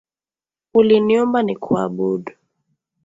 Uliniumba nikuabudu.